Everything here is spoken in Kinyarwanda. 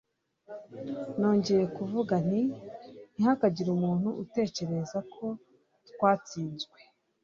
nongeye kuvuga nti ntihakagire umuntu utekereza ko twatsinzwe